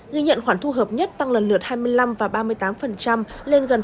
ghi nhận khoản thu hợp nhất tăng lần lượt hai mươi năm và ba mươi triệu usd